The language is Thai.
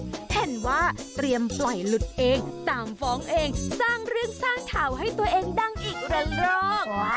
แผ่นว่าเตรียมปล่อยหลุดเองตามฟ้องเองสร้างเรื่องสร้างข่าวให้ตัวเองดังอีกระรอก